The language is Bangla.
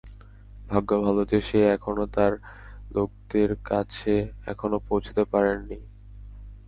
ভাগ্য ভালো যে সে এখনও তার লোকদের কাছে এখনও পৌছাতে পারে নি।